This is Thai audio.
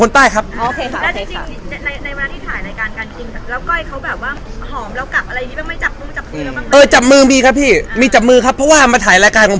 ทำไมคุณต้องแบบเป็นโชคโครงห้างด้วยตอนพูด